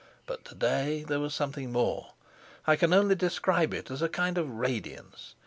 But to day there was something more; I can only describe it as a kind of radiance.